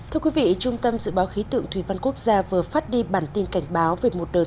thưa quý vị trung tâm dự báo khí tượng thủy văn quốc gia vừa phát đi bản tin cảnh báo